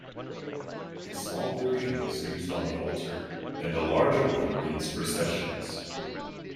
A small version is used on the altar and a larger one leads processions.